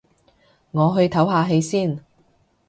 我去唞下氣先